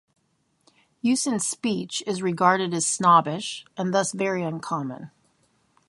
Use in speech is regarded as snobbish and thus very uncommon.